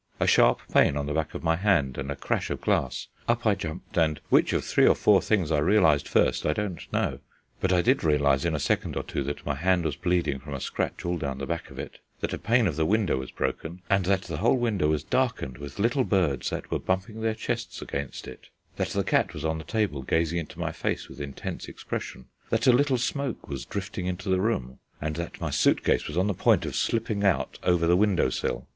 A sharp pain on the back of my hand, and a crash of glass! Up I jumped, and which of three or four things I realized first I don't know now. But I did realize in a second or two that my hand was bleeding from a scratch all down the back of it, that a pane of the window was broken and that the whole window was darkened with little birds that were bumping their chests against it; that the cat was on the table gazing into my face with intense expression, that a little smoke was drifting into the room, and that my suit case was on the point of slipping out over the window sill.